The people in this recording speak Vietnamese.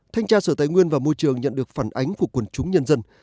thanh tra sở tài nguyên và môi trường nhận được phản ánh của quần chúng nhân dân